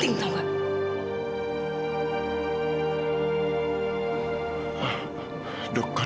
itu tidak penting